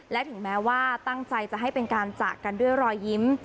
และถึงแม้ว่าตั้งใจจะให้เป็นการจากกันด้วยรอยยิ้ม